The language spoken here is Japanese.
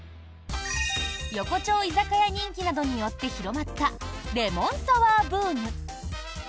横丁居酒屋人気などによって広まったレモンサワーブーム。